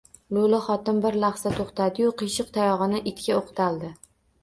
Lo‘li xotin bir lahza to‘xtadi-yu, qiyshiq tayog‘ini itga o‘qtaldi.